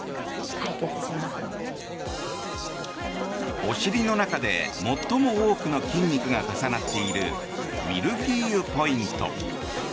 お尻の中で最も多くの筋肉が重なっているミルフィーユポイント。